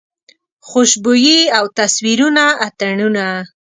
خوشبويي او تصویرونه اتڼونه